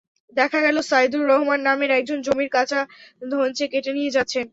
দেখা গেল, সাইদুর রহমান নামের একজন জমির কাঁচা ধঞ্চে কেটে নিয়ে যাচ্ছেন।